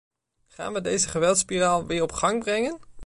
Gaan we deze geweldsspiraal weer op gang brengen?